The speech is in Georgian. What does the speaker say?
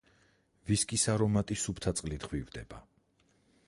ვისკის არომატი სუფთა წყლით ღვივდება.